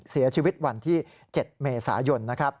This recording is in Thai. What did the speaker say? เสียชีวิตวันที่๗เมษายน